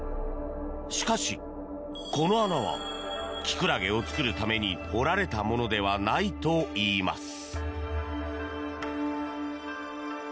しかし、この穴はキクラゲを作るために掘られたものではないといいます。